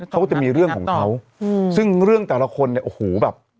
เขาก็จะมีเรื่องของเขาอืมซึ่งเรื่องแต่ละคนเนี่ยโอ้โหแบบ